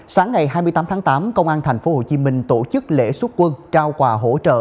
sáng ngày hai mươi tám tháng tám công an tp hcm tổ chức lễ xuất quân trao quà hỗ trợ